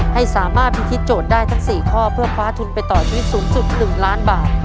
ให้สามารถพิธีโจทย์ได้ทั้ง๔ข้อเพื่อคว้าทุนไปต่อชีวิตสูงสุด๑ล้านบาท